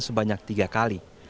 sebanyak tiga kali